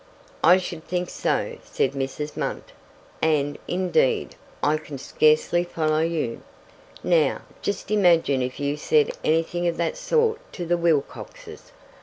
"I should think so," said Mrs. Munt; "and, indeed, I can scarcely follow you. Now, just imagine if you said anything of that sort to the Wilcoxes.